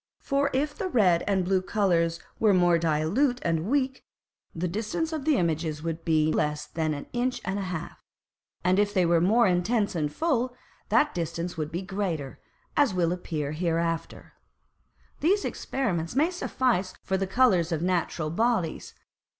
For, if the red and blue Colours were more dilute and weak, the distance of the Images would be less than an Inch and a half; and if they were more intense and full, that distance would be greater, as will appear hereafter. These Experiments may suffice for the Colours of Natural Bodies.